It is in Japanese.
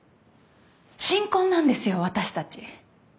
新婚なんですよ私たち。